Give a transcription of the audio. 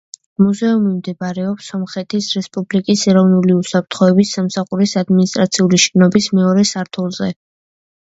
მუზეუმი მდებარეობს სომხეთის რესპუბლიკის ეროვნული უსაფრთხოების სამსახურის ადმინისტრაციული შენობის მეორე სართულზე.